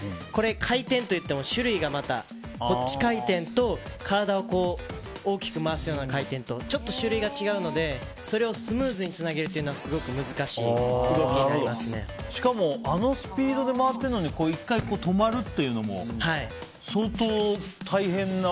回転といっても種類がまた違う回転と体を大きく回す回転とちょっと種類が違うのでそれをスムーズにつなげるというのはしかもあのスピードで回っているのに１回、止まるっていうのも相当大変な。